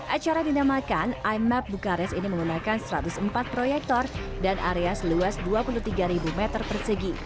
acara dinamakan i map bukares ini menggunakan satu ratus empat proyektor dan area seluas dua puluh tiga meter persegi